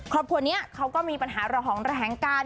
ครอบครัวนี้เขาก็มีปัญหาเหล่าห่องแหล่งการ